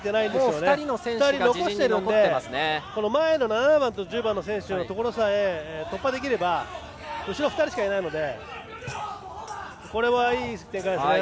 ２人残しているので前の７番と１０番の選手のところさえ突破できれば後ろに２人しかないので。